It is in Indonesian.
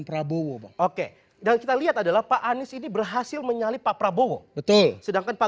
prabowo oke dan kita lihat adalah pak anies ini berhasil menyalip pak prabowo betul sedangkan pak